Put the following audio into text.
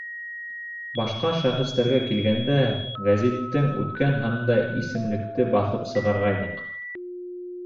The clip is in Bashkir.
Башҡа шәхестәргә килгәндә, гәзиттең үткән һанында исемлекте баҫып сығарғайныҡ.